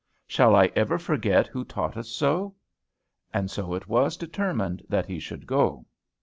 Shall I ever forget who taught us so?" And so it was determined that he should go.